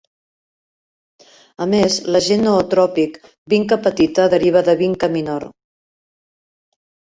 A més, l'agent nootròpic vinca petita deriva de "Vinca minor".